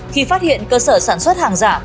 khi phát hiện cơ sở sản xuất hàng giả